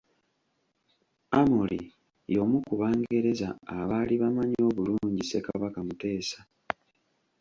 Amory y’omu ku bangereza abaali bamanyi obulungi Ssekabaka Muteesa.